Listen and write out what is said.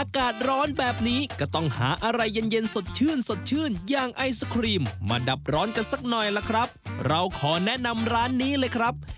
ก็แนะนำร้านนี้เลยครับ